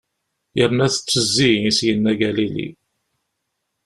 Yerna tettezzi, i s-yenna Galili.